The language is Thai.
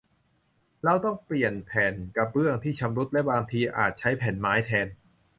เราต้องเปลี่ยนแผ่นกระเบื้องที่ชำรุด และบางทีอาจใช้แผ่นไม้แทน